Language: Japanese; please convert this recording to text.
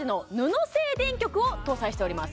布製電極を搭載しております